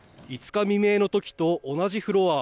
５日未明の時と同じフロア